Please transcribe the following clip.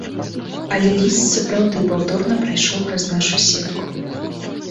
Але ліст сапраўды паўторна прайшоў праз нашу сетку.